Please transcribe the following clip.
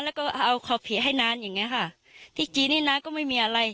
แล้วก็เอาขอผีให้น้าอย่างเงี้ยค่ะที่จีนนี่นานก็ไม่มีอะไร